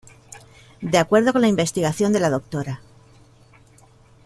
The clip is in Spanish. De acuerdo con la investigación de la Dra.